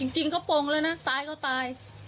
จริงเขาปงแล้วนะตายก็ตาย